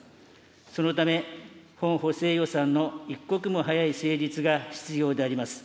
そのため、本補正予算の一刻も早い成立が必要であります。